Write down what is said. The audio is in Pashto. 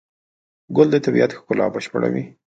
ګل د طبیعت ښکلا بشپړوي.